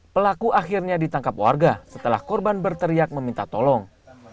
pelaku akhirnya ditangkap warga setelah korban berteriak meminta tolong